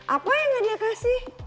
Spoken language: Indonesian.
apa yang gak dia kasih